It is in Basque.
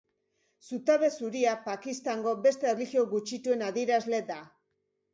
Zutabe zuria Pakistango beste erlijio gutxituen adierazle da.